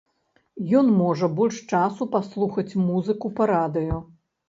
Ён можа больш часу паслухаць музыку па радыё.